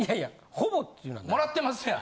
ほぼっていうのは何？もらってますやん。